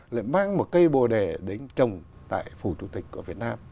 lại mang một cây bồ đề đến trồng tại phủ chủ tịch của việt nam